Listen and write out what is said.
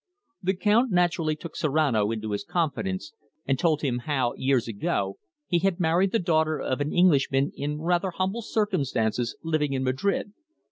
The Count naturally took Serrano into his confidence and told him how, years ago, he had married the daughter of an Englishman in rather humble circumstances, living in Madrid.